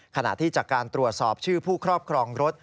ขณะที่จากการตรวจสอบชื่อผู้ครอบครองรถ